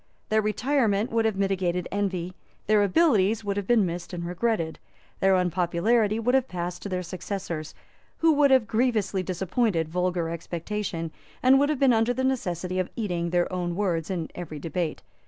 Their retirement would have mitigated envy; their abilities would have been missed and regretted; their unpopularity would have passed to their successors, who would have grievously disappointed vulgar expectation, and would have been under the necessity of eating their own words in every debate.